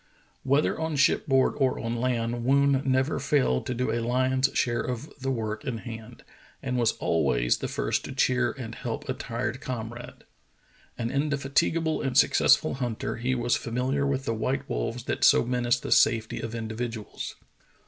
" Whether on shipboard or on land, Woon never failed to do a lion's share of the work in hand, and was al ways the first to cheer and help a tired comrade. An indefatigable and successful hunter, he was familiar with the white wolves that so menaced the safety of individuals.